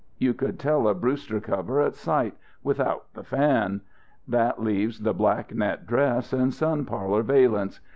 You could tell a Brewster cover at sight, without the fan. That leaves the black net dress and sun parlour valance.